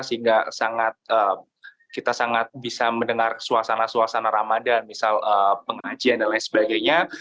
sehingga sangat kita sangat bisa mendengar suasana suasana ramadan misal pengajian dan lain sebagainya